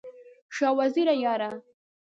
شاه وزیره یاره!